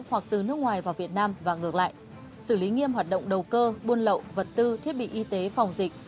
hoặc từ nước ngoài vào việt nam và ngược lại xử lý nghiêm hoạt động đầu cơ buôn lậu vật tư thiết bị y tế phòng dịch